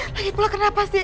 lagi pula kenapa sih